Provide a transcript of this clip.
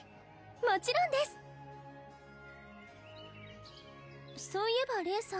もちろんですそういえばレイさん